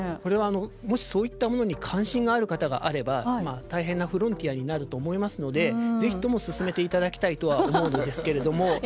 もしそういったものに関心がある方がいれば大変なフロンティアになるのでぜひとも進めていただきたいとは思うんですけれども。